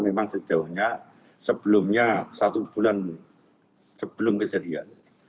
memang sejauhnya sebelumnya satu bulan sebelum kejadian